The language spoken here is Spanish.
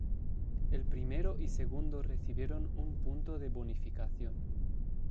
El primero y segundo recibieron un punto de bonificación.